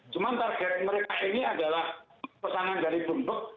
cuma target mereka ini adalah pesanan dari bunduk